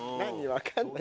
分かんない。